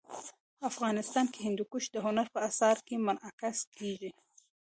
افغانستان کې هندوکش د هنر په اثار کې منعکس کېږي.